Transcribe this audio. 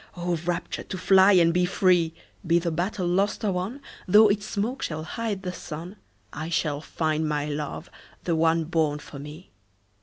O rapture, to fly And be free! Be the battle lost or won, 5 Though its smoke shall hide the sun, I shall find my love—the one Born for me!